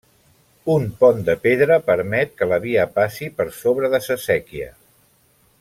Un pont de pedra permet que la via passi per sobre de sa Séquia.